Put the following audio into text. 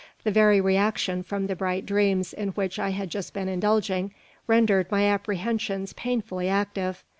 The very reaction from the bright dreams in which I had just been indulging rendered my apprehensions painfully active.